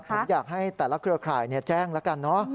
ผมอยากให้แต่ละเครือข่ายแจ้งแล้วกันเนอะ